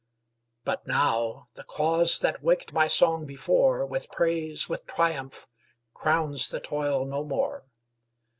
But now the cause that waked my song before, With praise, with triumph, crowns the toil no more.